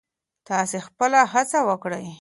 تاسې خپله هڅه وکړئ.